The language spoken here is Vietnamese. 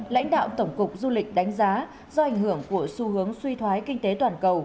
lãnh đạo tổng cục du lịch đánh giá do ảnh hưởng của xu hướng suy thoái kinh tế toàn cầu